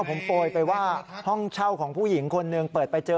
ผมโปรยไปว่าห้องเช่าของผู้หญิงคนหนึ่งเปิดไปเจอ